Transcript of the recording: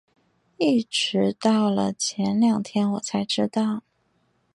一直到了前两天我才知道